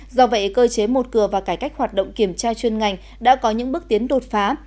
do vậy cơ chế một cửa và cải cách hoạt động kiểm tra chuyên ngành đã có những bước tiến đột phá